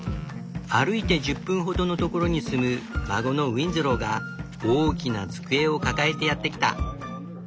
歩いて１０分ほどの所に住む孫のウィンズローが大きな机を抱えてやって来た。